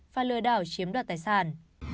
và lừa đảo chiếm đoạt tài sản